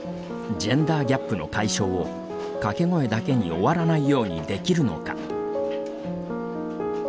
ジェンダーギャップの解消を掛け声だけに終わらないようにできるのか。